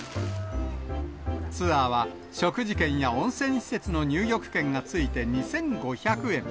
ツアーは、食事券や温泉施設の入浴券がついて２５００円。